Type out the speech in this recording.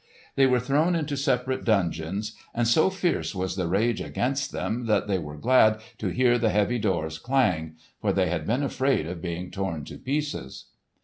They were thrown into separate dungeons, and so fierce was the rage against them that they were glad to hear the heavy doors clang, for they had been afraid of being torn to pieces.